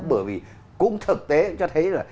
bởi vì cũng thực tế cho thấy là